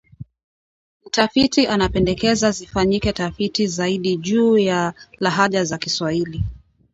Mtafiti anapendekeza zifanyike tafiti zaidi juu ya lahaja za Kiswahili